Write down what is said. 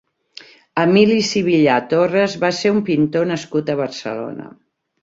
Emili Sivillà Torres va ser un pintor nascut a Barcelona.